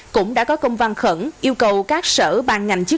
cũng đã có công văn khẩn yêu cầu các sở ban ngành chức